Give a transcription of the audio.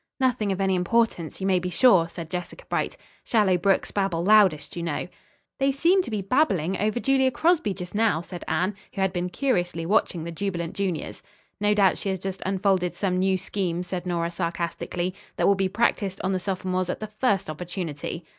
"Nothing of any importance, you may be sure," said Jessica Bright. "'Shallow brooks babble loudest,' you know." "They seem to be 'babbling' over Julia Crosby just now," said Anne, who had been curiously watching the jubilant juniors. "No doubt she has just unfolded some new scheme," said Nora sarcastically, "that will be practised on the sophomores at the first opportunity."